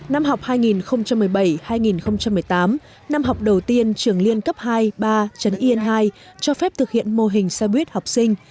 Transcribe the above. năm học hai nghìn một mươi bảy hai nghìn một mươi tám năm học đầu tiên trường liên cấp hai ba trấn yên hai cho phép thực hiện mô hình xe buýt học sinh